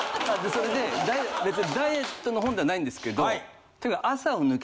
それで別にダイエットの本ではないんですけど。